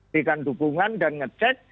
berikan dukungan dan ngecek